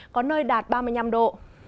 có nơi đạt ba mươi năm độ